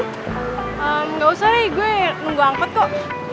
gak usah rey gue nunggu angkot kok